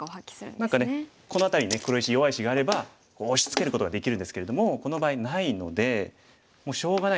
何かねこの辺りに黒石弱い石があれば押しつけることができるんですけれどもこの場合ないのでもうしょうがないから囲うしかない。